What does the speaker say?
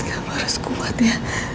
dia harus kuat ya